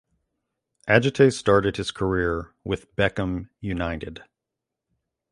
Adjetey started his career with Bechem United.